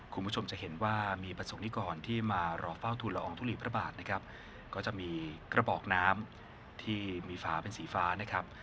คุณผู้ชมจะเห็นว่ามีประสงค์นิกรที่มารอเฝ้าทุนละอองทุลีพระบาทนะครับก็จะมีกระบอกน้ำที่มีฝาเป็นสีฟ้านะครับ